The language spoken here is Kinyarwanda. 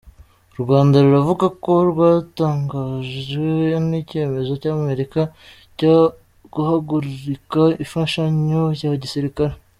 U Rwanda ruravuga ko rwatangajwe n’icyemezo cy’Amerika cyo guhagarika imfashanyo ya gisirikare.